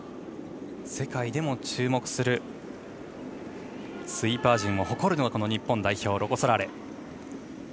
世界でも注目するスイーパー陣を誇る日本代表ロコ・ソラーレ。